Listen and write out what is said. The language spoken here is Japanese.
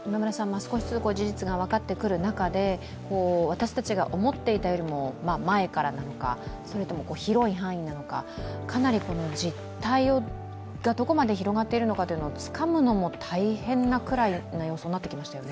少しずつ事実が分かってくる中で私たちが思っていたよりも前からなのか、それとも広い範囲なのか、かなり実態がどこまで広がっているのかをつかむのも大変なことになってきましたね。